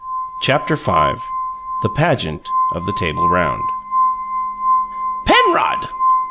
CHAPTER V THE PAGEANT OF THE TABLE ROUND "Penrod!"